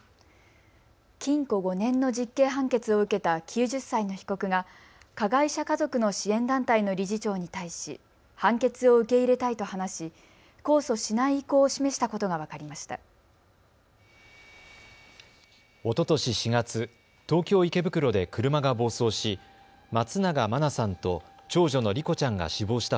禁錮５年の実刑判決を受けた９０歳の被告が加害者家族の支援団体の理事長に対し判決を受け入れたいと話し控訴しない意向を示したことが分かりました。